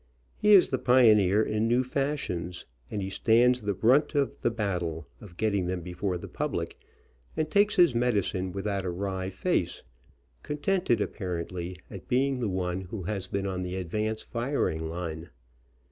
He is the pioneer in new fashions, and he stands the brunt of the battle of getting them before the public, and takes his medicine without a wry face, contented, appar ently, at being the one who has been on the advance firing line.